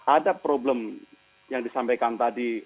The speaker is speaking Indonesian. ada problem yang disampaikan tadi